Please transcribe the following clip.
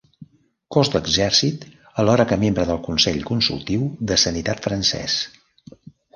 Cos d'exèrcit, alhora que membre del Consell Consultiu de Sanitat Francès.